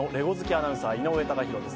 アナウンサー井上貴博です